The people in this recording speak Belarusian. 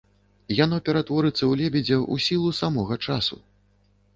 Яно ператворыцца ў лебедзя ў сілу самога часу.